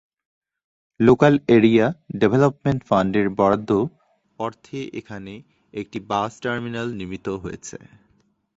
Local area development ফান্ডের বরাদ্দ অর্থে এখানে একটি বাস টার্মিনাস নির্মিত হয়েছে।